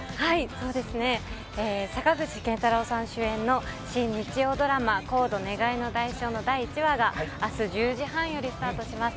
そうですね、坂口健太郎さん主演の新日曜ドラマ、ＣＯＤＥ・願いの代償の第１話があす１０時半よりスタートします。